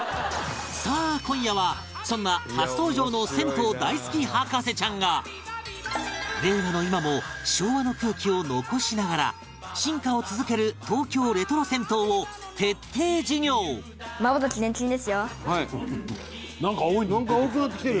さあ今夜はそんな初登場の銭湯大好き博士ちゃんが令和の今も昭和の空気を残しながら進化を続ける東京レトロ銭湯を徹底授業！なんか青いの出てきてる！